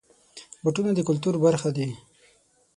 بوټونه د کلتور برخه دي.